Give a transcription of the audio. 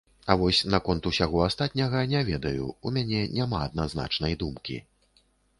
А вось наконт усяго астатняга не ведаю, у мяне няма адназначнай думкі.